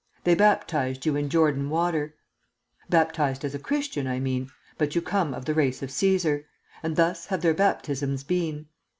They baptized you in Jordan water, Baptized as a Christian, I mean, But you come of the race of Cæsar, And thus have their baptisms been.